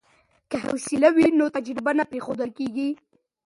که حوصله وي نو تجربه نه پریښودل کیږي.